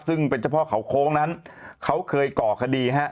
ซึ่งเป็นเจ้าพ่อเขาโค้งนั้นเขาเคยก่อคดีฮะ